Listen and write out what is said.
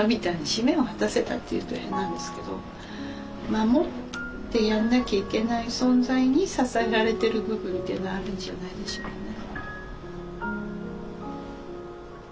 使命を果たせたって言うと変なんですけど守ってやんなきゃいけない存在に支えられてる部分っていうのはあるんじゃないでしょうかね。